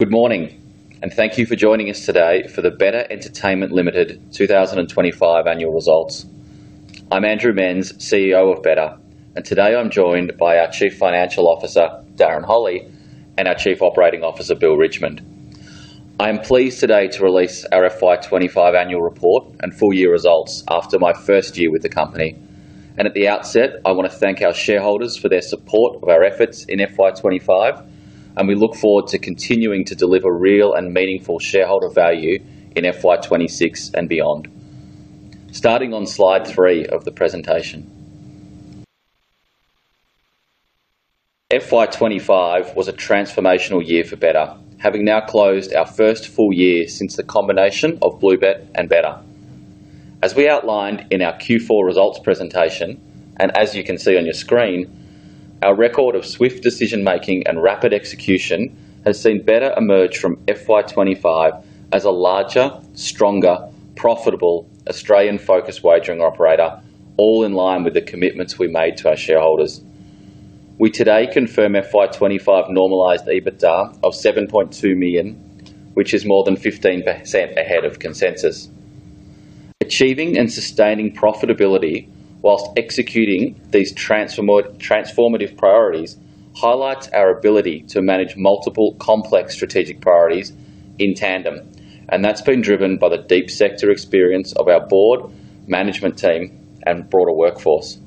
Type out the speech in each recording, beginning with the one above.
Good morning, and thank you for joining us today for the betr Entertainment Ltd 2025 Annual Results. I'm Andrew Menz, CEO of betr, and today I'm joined by our Chief Financial Officer, Darren Holley, and our Chief Operating Officer, Bill Richmond. I am pleased today to release our FY 2025 annual report and full-year results after my first year with the company. At the outset, I want to thank our shareholders for their support of our efforts in FY 2025, and we look forward to continuing to deliver real and meaningful shareholder value in FY 2026 and beyond. Starting on slide three of the presentation, FY 2025 was a transformational year for betr, having now closed our first full year since the combination of BlueBet and betr. As we outlined in our Q4 results presentation, and as you can see on your screen, our record of swift decision-making and rapid execution has seen betr emerge from FY 2025 as a larger, stronger, profitable, Australian-focused wagering operator, all in line with the commitments we made to our shareholders. We today confirm FY 2025 normalised EBITDA of $7.2 million, which is more than 15% ahead of consensus. Achieving and sustaining profitability whilst executing these transformative priorities highlights our ability to manage multiple complex strategic priorities in tandem, and that's been driven by the deep sector experience of our board, management team, and broader workforce.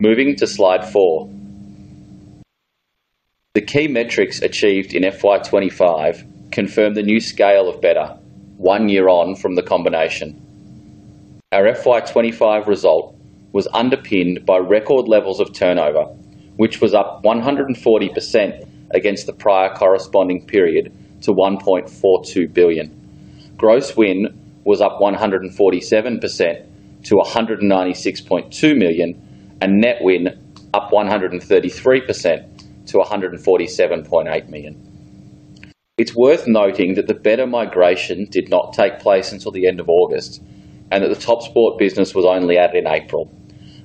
Moving to slide four, the key metrics achieved in FY 2025 confirm the new scale of betr, one year on from the combination. Our FY 2025 result was underpinned by record levels of turnover, which was up 140% against the prior corresponding period to $1.42 billion. Gross win was up 147% to $196.2 million, and net win up 133% to $147.8 million. It's worth noting that the betr migration did not take place until the end of August, and that the TopSport business was only added in April.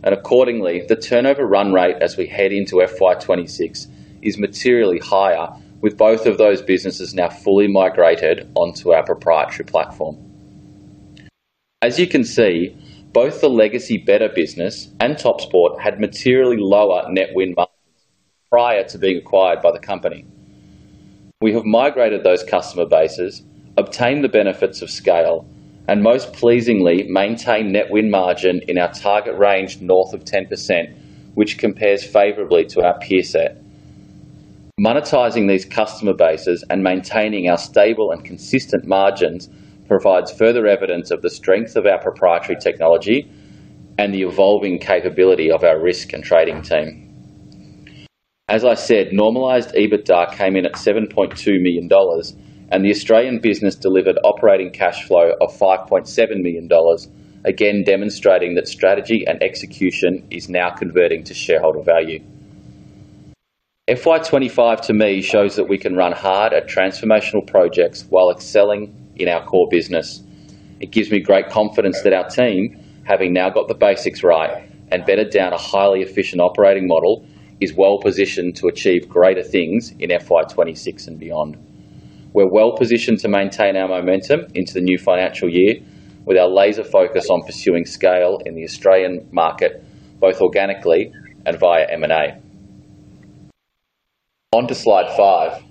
Accordingly, the turnover run rate as we head into FY 2026 is materially higher, with both of those businesses now fully migrated onto our proprietary platform. As you can see, both the legacy betr business and TopSport had materially lower net win margins prior to being acquired by the company. We have migrated those customer bases, obtained the benefits of scale, and most pleasingly maintained net-win margin in our target range north of 10%, which compares favorably to our peer set. Monetizing these customer bases and maintaining our stable and consistent margins provides further evidence of the strength of our proprietary platform and the evolving capability of our risk and trading team. As I said, normalised EBITDA came in at $7.2 million, and the Australian business delivered operating cash flow of $5.7 million, again demonstrating that strategy and execution is now converting to shareholder value. FY2025 to me shows that we can run hard at transformational projects while excelling in our core business. It gives me great confidence that our team, having now got the basics right and bedded down a highly efficient operating model, is well-positioned to achieve greater things in FY2026 and beyond. We're well-positioned to maintain our momentum into the new financial year with our laser focus on pursuing scale in the Australian market, both organically and via M&A. On to slide five,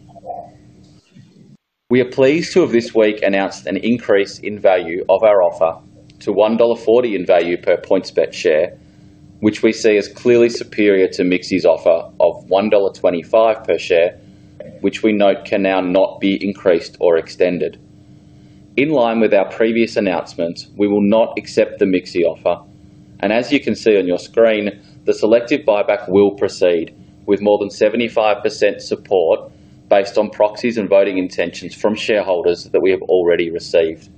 we are pleased to have this week announced an increase in value of our offer to $1.40 in value per PointsBet share, which we see as clearly superior to MIXI's offer of $1.25 per share, which we note can now not be increased or extended. In line with our previous announcements, we will not accept the MIXI offer, and as you can see on your screen, the selective buyback will proceed with more than 75% support based on proxies and voting intentions from shareholders that we have already received.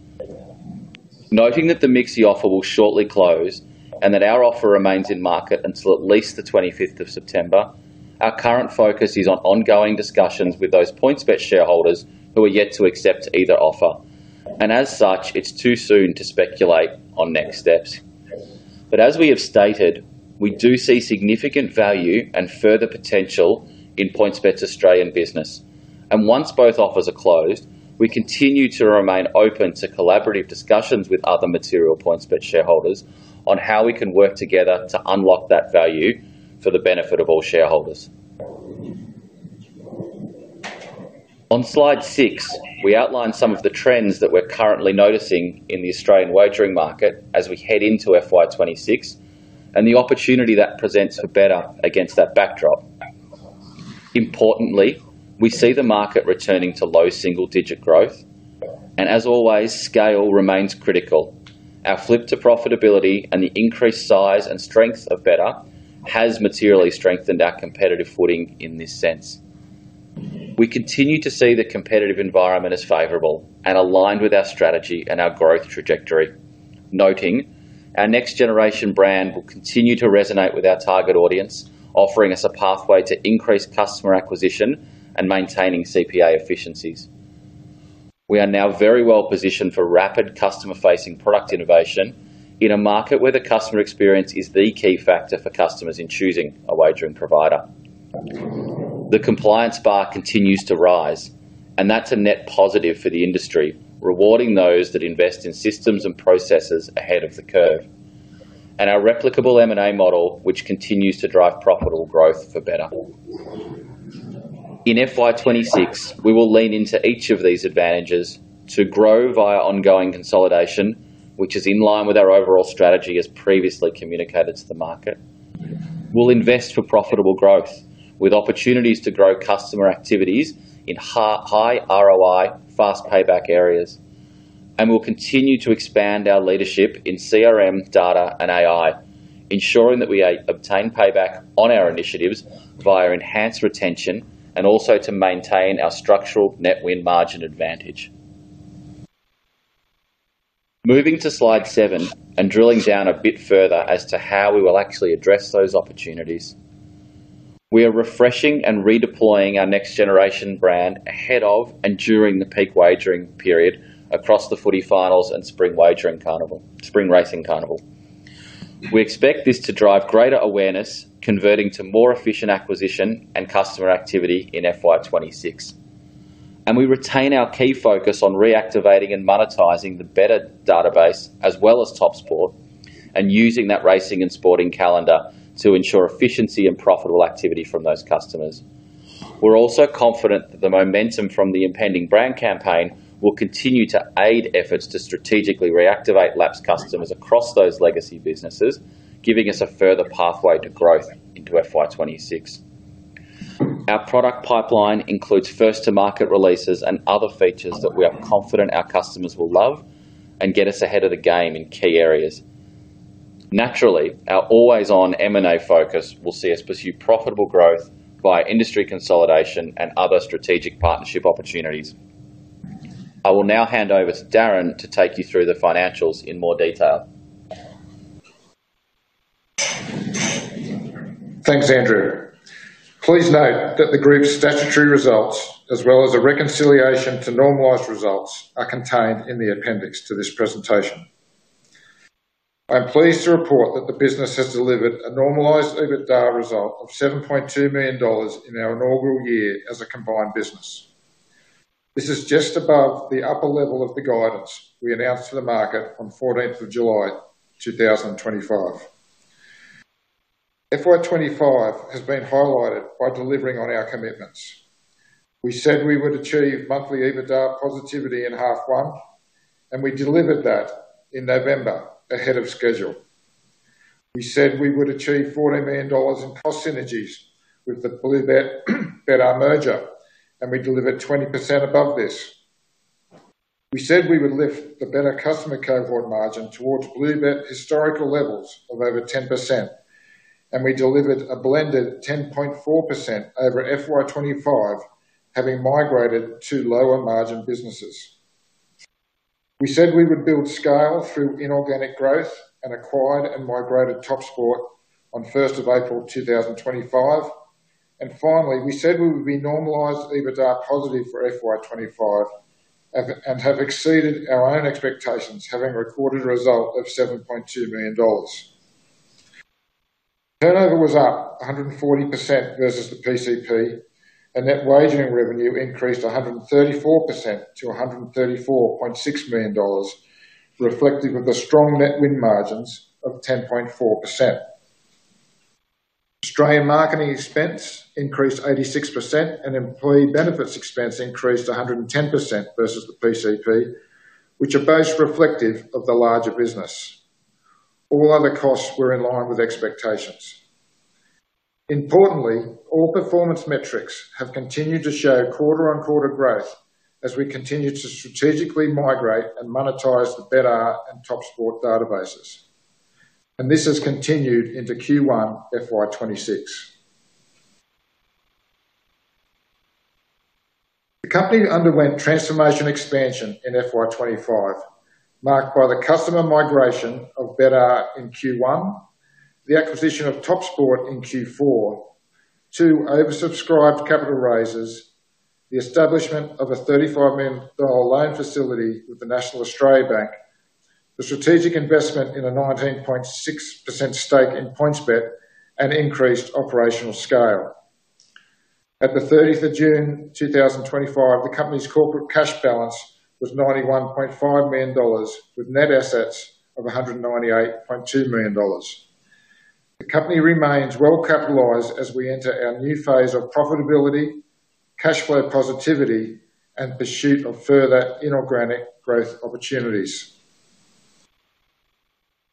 Noting that the MIXI offer will shortly close and that our offer remains in market until at least the 25th of September, our current focus is on ongoing discussions with those PointsBet shareholders who are yet to accept either offer, and as such, it's too soon to speculate on next steps. As we have stated, we do see significant value and further potential in PointsBet's Australian business, and once both offers are closed, we continue to remain open to collaborative discussions with other material PointsBet shareholders on how we can work together to unlock that value for the benefit of all shareholders. On slide six, we outline some of the trends that we're currently noticing in the Australian wagering market as we head into FY2026 and the opportunity that presents for betr against that backdrop. Importantly, we see the market returning to low single-digit growth, and as always, scale remains critical. Our flip to profitability and the increased size and strength of betr have materially strengthened our competitive footing in this sense. We continue to see the competitive environment as favorable and aligned with our strategy and our growth trajectory, noting our next-generation brand will continue to resonate with our target audience, offering us a pathway to increased customer acquisition and maintaining CPA efficiencies. We are now very well-positioned for rapid customer-facing product innovation in a market where the customer experience is the key factor for customers in choosing a wagering provider. The compliance bar continues to rise, and that's a net positive for the industry, rewarding those that invest in systems and processes ahead of the curve, and our replicable M&A model, which continues to drive profitable growth for betr. In FY 2026, we will lean into each of these advantages to grow via ongoing consolidation, which is in line with our overall strategy as previously communicated to the market. We'll invest for profitable growth with opportunities to grow customer activities in high ROI, fast payback areas, and we'll continue to expand our leadership in CRM, data, and AI, ensuring that we obtain payback on our initiatives via enhanced retention and also to maintain our structural net win margin advantage. Moving to slide seven and drilling down a bit further as to how we will actually address those opportunities, we are refreshing and redeploying our next generation brand ahead of and during the peak wagering period across the footy finals and spring racing carnival. We expect this to drive greater awareness, converting to more efficient acquisition and customer activity in FY 2026, and we retain our key focus on reactivating and monetizing the betr database as well as TopSport and using that racing and sporting calendar to ensure efficiency and profitable activity from those customers. We're also confident that the momentum from the impending brand campaign will continue to aid efforts to strategically reactivate [labs] customers across those legacy businesses, giving us a further pathway to growth into FY 2026. Our product pipeline includes first-to-market releases and other features that we are confident our customers will love and get us ahead of the game in key areas. Naturally, our always-on M&A focus will see us pursue profitable growth via industry consolidation and other strategic partnership opportunities. I will now hand over to Darren to take you through the financials in more detail. Thanks, Andrew. Please note that the group's statutory results, as well as a reconciliation to normalised results, are contained in the appendix to this presentation. I'm pleased to report that the business has delivered a normalised EBITDA result of $7.2 million in our inaugural year as a combined business. This is just above the upper level of the guidance we announced to the market on 14th of July 2025. FY 2025 has been highlighted by delivering on our commitments. We said we would achieve monthly EBITDA positivity in half one, and we delivered that in November ahead of schedule. We said we would achieve $40 million in cost synergies with the BlueBet betr merger, and we delivered 20% above this. We said we would lift the betr customer cohort margin towards BlueBet historical levels of over 10%, and we delivered a blended 10.4% over FY 2025, having migrated two lower-margin businesses. We said we would build scale through inorganic growth and acquired and migrated TopSport on 1st of April 2025. Finally, we said we would be normalised EBITDA positive for FY 2025 and have exceeded our own expectations, having a recorded result of $7.2 million. Turnover was up 140% versus the PCP, and net wagering revenue increased 134% to $134.6 million, reflective of the strong net win margins of 10.4%. Australian marketing expense increased 86%, and employee benefits expense increased 110% versus the PCP, which are both reflective of the larger business. All other costs were in line with expectations. Importantly, all performance metrics have continued to show quarter-on-quarter growth as we continue to strategically migrate and monetize the betr and TopSport databases, and this has continued into Q1 FY 2026. The company underwent transformation expansion in FY 2025, marked by the customer migration of betr in Q1, the acquisition of TopSport in Q4, two oversubscribed capital raises, the establishment of a $35 million loan facility with the National Australia Bank, the strategic investment in a 19.6% stake in PointsBet, and increased operational scale. At the 30th of June 2025, the company's corporate cash balance was $91.5 million, with net assets of $198.2 million. The company remains well-capitalized as we enter our new phase of profitability, cash flow positivity, and pursuit of further inorganic growth opportunities.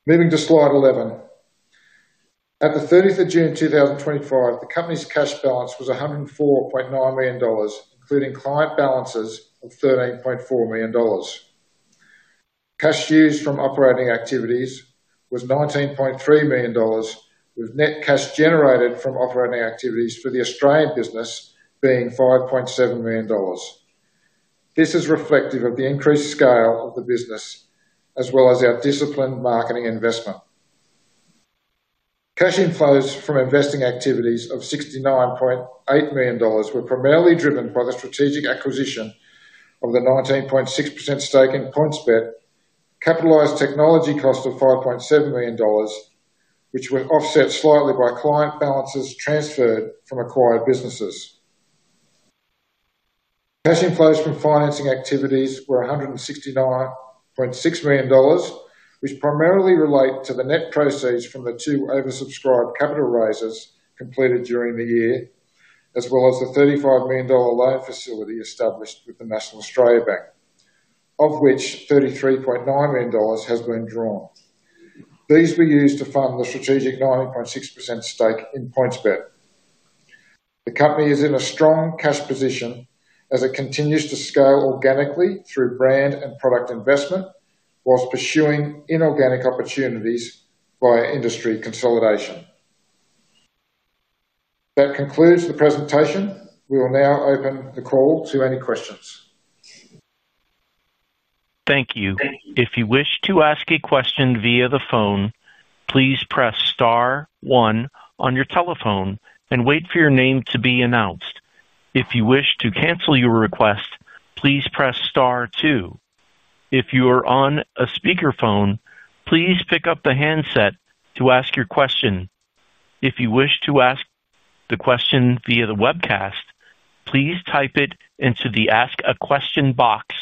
Moving to slide 11, at the 30th of June 2025, the company's cash balance was $104.9 million, including client balances of $13.4 million. Cash used from operating activities was $19.3 million, with net cash generated from operating activities for the Australian business being $5.7 million. This is reflective of the increased scale of the business, as well as our disciplined marketing investment. Cash inflows from investing activities of $69.8 million were primarily driven by the strategic acquisition of the 19.6% stake in PointsBet, capitalized technology cost of $5.7 million, which was offset slightly by client balances transferred from acquired businesses. Cash inflows from financing activities were $169.6 million, which primarily relate to the net proceeds from the two oversubscribed capital raises completed during the year, as well as the $35 million loan facility established with the National Australia Bank, of which $33.9 million has been drawn. These were used to fund the strategic 19.6% stake in PointsBet. The company is in a strong cash position as it continues to scale organically through brand and product investment, whilst pursuing inorganic opportunities via industry consolidation. That concludes the presentation. We will now open the call to any questions. Thank you. If you wish to ask a question via the phone, please press star one on your telephone and wait for your name to be announced. If you wish to cancel your request, please press star two. If you are on a speaker phone, please pick up the handset to ask your question. If you wish to ask the question via the webcast, please type it into the ask a question box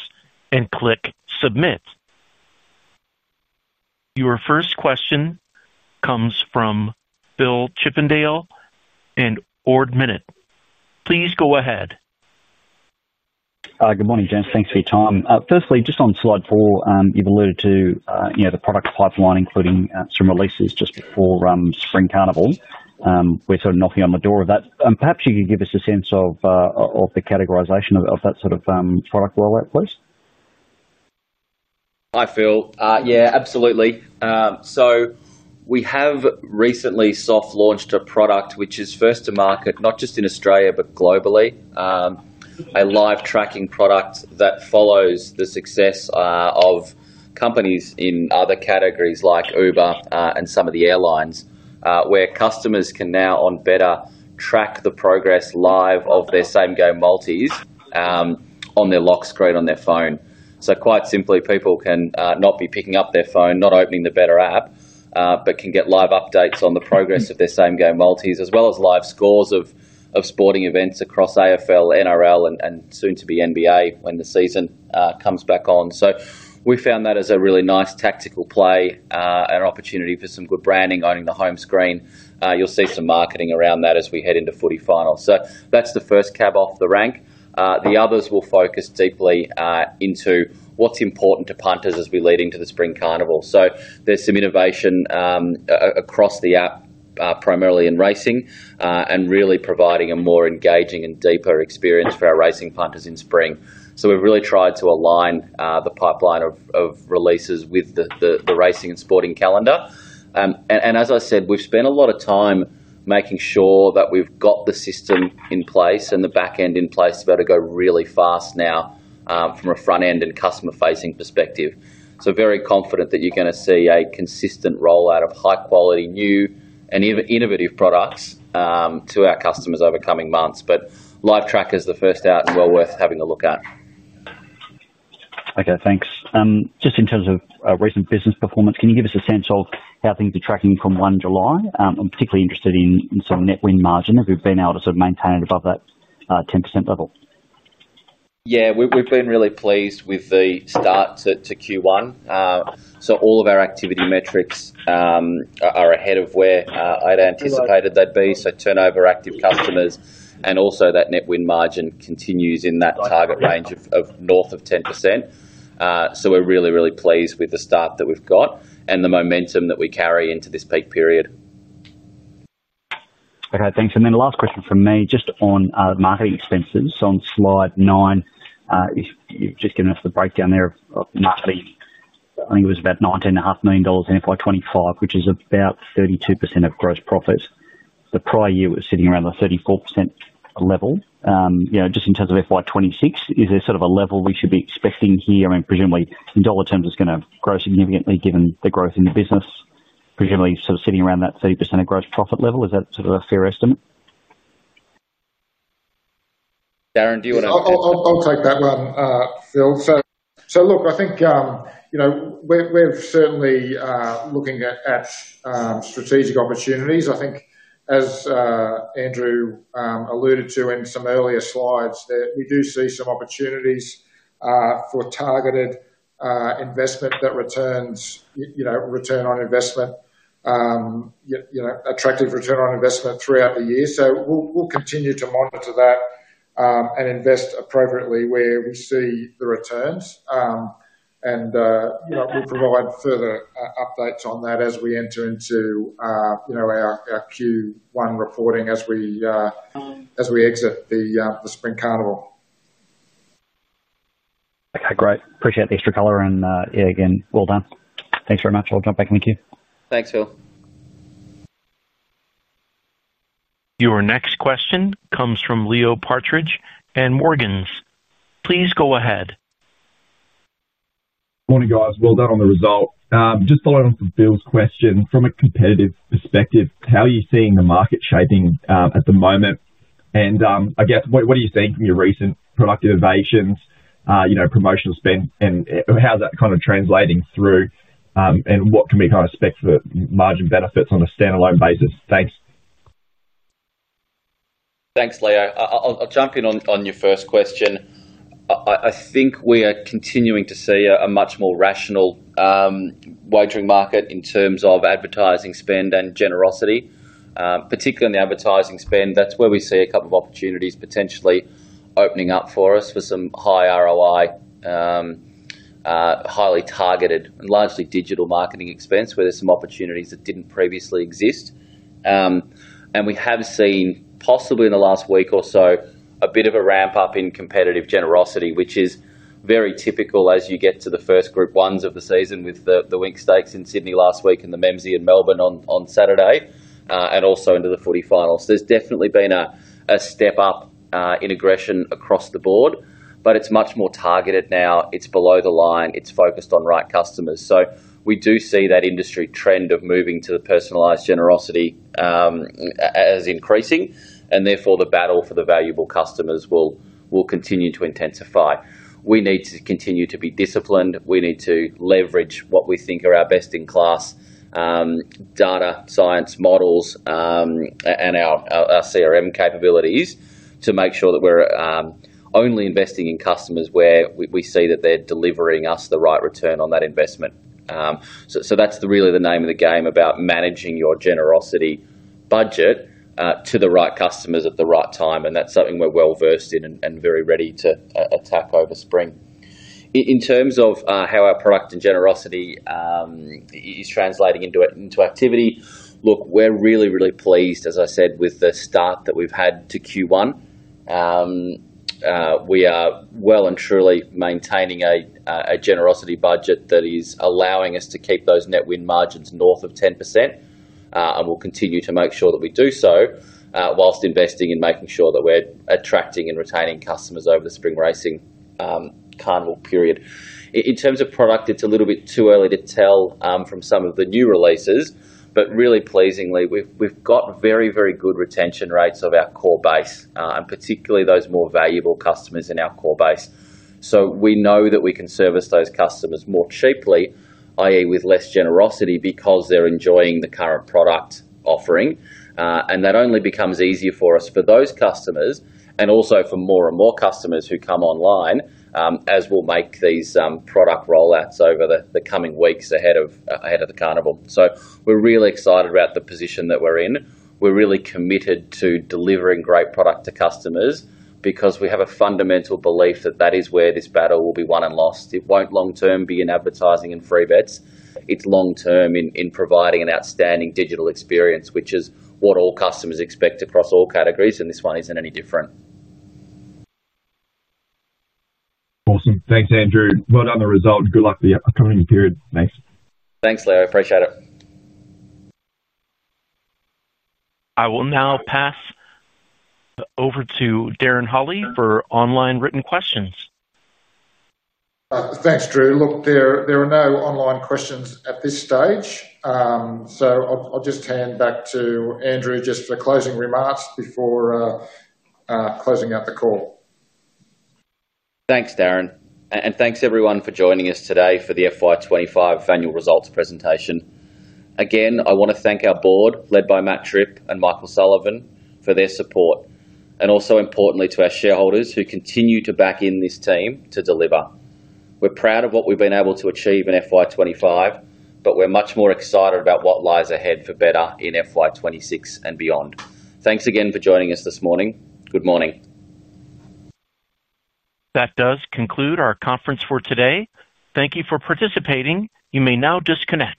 and click submit. Your first question comes from Phil Chippindale at Ord Minnett. Please go ahead. Good morning, James. Thanks for your time. Firstly, just on slide four, you've alluded to the product pipeline, including some releases just before the spring racing carnival. We're sort of knocking on the door of that. Perhaps you could give us a sense of the categorization of that sort of product rollout? Hi Phil. Yeah, absolutely. We have recently soft-launched a product which is first to market, not just in Australia but globally, a live tracking feature for same-game multis that follows the success of companies in other categories like Uber and some of the airlines, where customers can now on betr track the progress live of their same-game multis on their lock screen on their phone. Quite simply, people can not be picking up their phone, not opening the betr app, but can get live updates on the progress of their same-game multis as well as live scores of sporting events across AFL, NRL, and soon to be NBA when the season comes back on. We found that as a really nice tactical play and opportunity for some good branding on the home screen. You'll see some marketing around that as we head into footy finals. That's the first cab off the rank. The others will focus deeply into what's important to punters as we lead into the spring racing carnival. There's some innovation across the app, primarily in racing, and really providing a more engaging and deeper experience for our racing punters in spring. We've really tried to align the pipeline of releases with the racing and sporting calendar. As I said, we've spent a lot of time making sure that we've got the system in place and the backend in place to be able to go really fast now from a frontend and customer-facing perspective. Very confident that you're going to see a consistent rollout of high-quality, new, and innovative products to our customers over coming months. Live trackers are the first out and well worth having a look at. Okay, thanks. Just in terms of recent business performance, can you give us a sense of how things are tracking from 1 July? I'm particularly interested in some net win margin, if we've been able to sort of maintain it above that 10% level. Yeah, we've been really pleased with the start to Q1. All of our activity metrics are ahead of where I'd anticipated they'd be. Turnover, active customers, and also that net win margin continues in that target range of north of 10%. We're really, really pleased with the start that we've got and the momentum that we carry into this peak period. Okay, thanks. The last question from me just on marketing expenses on slide nine. You've just given us the breakdown there of marketing. I think it was about $19.5 million in FY 2025, which is about 32% of gross profits. The prior year was sitting around the 34% level. Just in terms of FY 2026, is there sort of a level we should be expecting here? I mean, presumably in dollar terms, it's going to grow significantly given the growth in the business, presumably sort of sitting around that 30% of gross profit level. Is that sort of a fair estimate? Darren, do you want to? I'll take that one, Phil. I think we're certainly looking at strategic opportunities. I think, as Andrew alluded to in some earlier slides, we do see some opportunities for targeted investment that returns attractive ROI throughout the year. We'll continue to monitor that and invest appropriately where we see the returns. We'll provide further updates on that as we enter into our Q1 reporting as we exit the spring racing carnival. Okay, great. Appreciate the extra color and, yeah, again, well done. Thanks very much. I'll jump back in with you. Thanks, Phil. Your next question comes from Leo Partridge at Morgans. Please go ahead. Morning, guys. Well done on the result. Just following on some of Phil's question, from a competitive perspective, how are you seeing the market shaping at the moment? I guess, what are you seeing from your recent product innovations, promotional spend, and how is that kind of translating through and what can be kind of specs for margin benefits on a standalone basis? Thanks. Thanks, Leo. I'll jump in on your first question. I think we are continuing to see a much more rational wagering market in terms of advertising spend and generosity, particularly in the advertising spend. That's where we see a couple of opportunities potentially opening up for us for some high ROI, highly targeted and largely digital marketing expense, where there's some opportunities that didn't previously exist. We have seen, possibly in the last week or so, a bit of a ramp-up in competitive generosity, which is very typical as you get to the first group ones of the season with the Winx Stakes in Sydney last week and the MEMSI in Melbourne on Saturday, and also into the footy finals. There's definitely been a step up in aggression across the board, but it's much more targeted now. It's below the line. It's focused on right customers. We do see that industry trend of moving to the personalised generosity as increasing, and therefore the battle for the valuable customers will continue to intensify. We need to continue to be disciplined. We need to leverage what we think are our best-in-class data science models and our CRM capabilities to make sure that we're only investing in customers where we see that they're delivering us the right return on that investment. That's really the name of the game about managing your generosity budget to the right customers at the right time. That's something we're well versed in and very ready to attack over spring. In terms of how our product and generosity is translating into activity, look, we're really, really pleased, as I said, with the start that we've had to Q1. We are well and truly maintaining a generosity budget that is allowing us to keep those net win margins north of 10%. We'll continue to make sure that we do so whilst investing in making sure that we're attracting and retaining customers over the spring racing carnival period. In terms of product, it's a little bit too early to tell from some of the new releases, but really pleasingly, we've got very, very good retention rates of our core base, and particularly those more valuable customers in our core base. We know that we can service those customers more cheaply, i.e., with less generosity because they're enjoying the current product offering. That only becomes easier for us for those customers and also for more and more customers who come online as we'll make these product rollouts over the coming weeks ahead of the carnival. We're really excited about the position that we're in. We're really committed to delivering great product to customers because we have a fundamental belief that that is where this battle will be won and lost. It won't long-term be in advertising and free bets. It's long-term in providing an outstanding digital experience, which is what all customers expect across all categories. This one isn't any different. Awesome. Thanks, Andrew. Well done on the result. Good luck with the accommodating period. Thanks, thanks, Leo. Appreciate it. I will now pass over to Darren Holley for online written questions. Thanks, Drew. There are no online questions at this stage. I'll just hand back to Andrew for closing remarks before closing out the call. Thanks, Darren. Thanks everyone for joining us today for the FY 2025 annual results presentation. I want to thank our board, led by Matt Tripp and Michael Sullivan, for their support, and also importantly our shareholders who continue to back in this team to deliver. We're proud of what we've been able to achieve in FY 2025, but we're much more excited about what lies ahead for betr in FY 2026 and beyond. Thanks again for joining us this morning. Good morning. That does conclude our conference for today. Thank you for participating. You may now disconnect.